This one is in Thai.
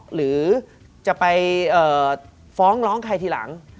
หรือจะไปฟ้องร้องใครทีหลัง